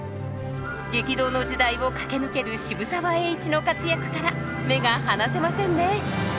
激動の時代を駆け抜ける渋沢栄一の活躍から目が離せませんね。